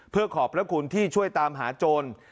เพื่อขอบพระคุณที่ช่วยตามหาโจร